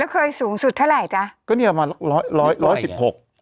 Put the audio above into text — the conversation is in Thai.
เคยสูงสุดเท่าไหร่จ๊ะก็เนี้ยประมาณร้อยร้อยร้อยสิบหก